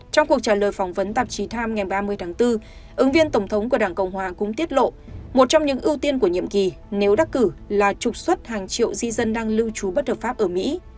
trong cuộc trả lời phỏng vấn tạp chí times ngày ba mươi tháng bốn ứng viên tổng thống của đảng cộng hòa cũng tiết lộ một trong những ưu tiên của nhiệm kỳ nếu đắc cử là trục xuất hàng triệu di dân đang lưu trú bất hợp pháp ở mỹ